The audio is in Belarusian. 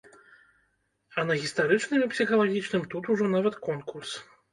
А на гістарычным і псіхалагічным тут ужо нават конкурс.